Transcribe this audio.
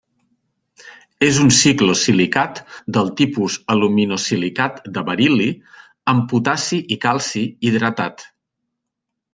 És un ciclosilicat del tipus aluminosilicat de beril·li, amb potassi i calci, hidratat.